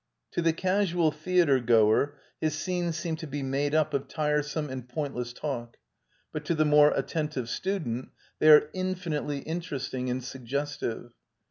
To the casual theatre goer his scenes seem to be made up of tiresome and pointless talk, but to the more attentive student they are infinitely interesting and suggestive.